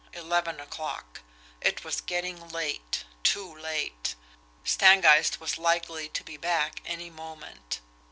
Eleven o'clock. It was getting late TOO late! Stangeist was likely to be back at any moment.